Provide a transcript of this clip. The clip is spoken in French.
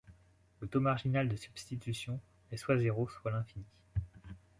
Le taux marginal de substitution est soit zéro soit l'infini.